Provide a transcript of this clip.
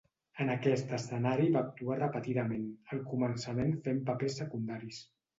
En aquest escenari va actuar repetidament, al començament fent papers secundaris.